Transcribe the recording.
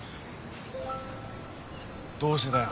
どうしてだよ